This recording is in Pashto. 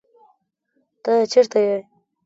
ته چرته یې؟